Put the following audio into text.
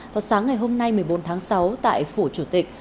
vào sáng ngày hôm nay một mươi bốn tháng sáu tại phủ chủ tịch